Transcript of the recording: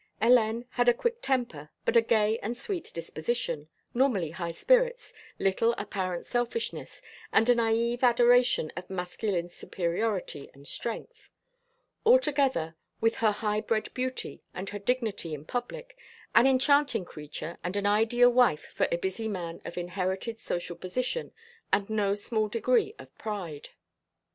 Hélène had a quick temper but a gay and sweet disposition, normally high spirits, little apparent selfishness, and a naïve adoration of masculine superiority and strength; altogether, with her high bred beauty and her dignity in public, an enchanting creature and an ideal wife for a busy man of inherited social position and no small degree of pride.